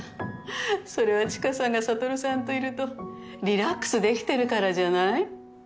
それは知花さんが悟さんといるとリラックスできてるからじゃない？